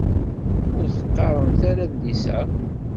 Ur teqqaṛemt ara adlis-a?